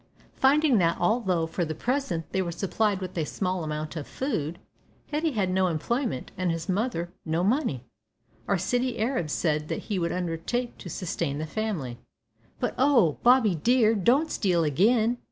Finding that, although for the present they were supplied with a small amount of food, Hetty had no employment and his mother no money, our city Arab said that he would undertake to sustain the family. "But oh! Bobby, dear, don't steal again."